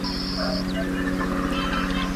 باور کول د ټولنيز ژوند لومړنی شرط دی.